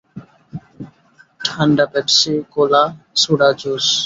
ঠান্ডা Pepsi, cola, soda, juice.